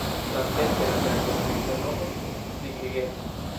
Samtempe la teatro prenis la nomon Szigligeti.